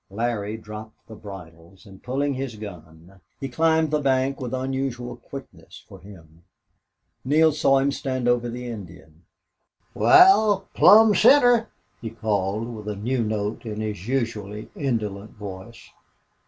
Larry dropped the bridles and, pulling his gun, he climbed the bank with unusual quickness for him. Neale saw him stand over the Indian. "Wal, plumb center!" he called, with a new note in his usually indolent voice.